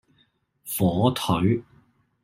火腿